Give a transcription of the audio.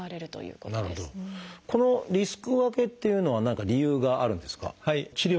このリスク分けっていうのは何か理由があるんですか？